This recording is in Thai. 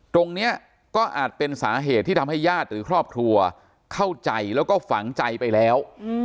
ตรงนี้ก็อาจเป็นสาเหตุที่ทำให้ญาติหรือครอบครัวเข้าใจแล้วก็ฝังใจไปแล้ว